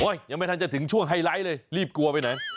ยังไม่ทันจะถึงช่วงไฮไลท์เลยรีบกลัวไปไหน